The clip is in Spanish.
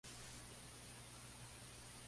Crece, se descompone, cae y empieza de nuevo.